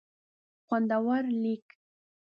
خوندور لیک